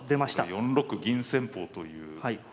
４六銀戦法という。